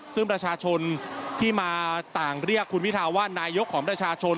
ซึ่งประชาชนที่มาต่างเรียกคุณพิทาว่านายกของประชาชน